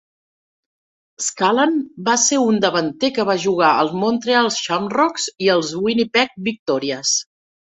Scanlan va ser un davanter que va jugar als Montreal Shamrocks i als Winnipeg Victorias.